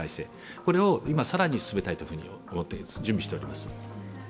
これを今更に進めたいと思って、準備しております。